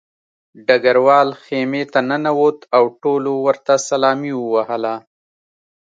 ډګروال خیمې ته ننوت او ټولو ورته سلامي ووهله